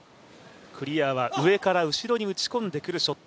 クリアは上から後ろに打ち込んでくるショット。